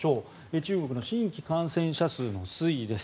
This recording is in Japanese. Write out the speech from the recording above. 中国の新規感染者数の推移です。